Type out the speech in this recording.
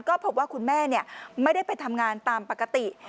ก็พบว่าคุณแม่ไม่ได้ไปทำงานตามปกติ